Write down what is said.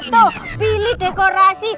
tuh pilih dekorasi